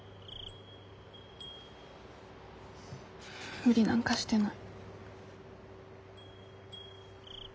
無理なんかしてない。